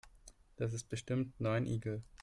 Das ist bestimmt nur ein Igel.